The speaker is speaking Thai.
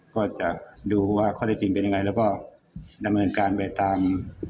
ก็จะดูว่าข้อได้จริงเป็นยังไงแล้วก็ดำเนินการไปตาม